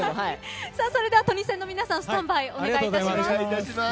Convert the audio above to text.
それではトニセンの皆さんスタンバイ、お願いします。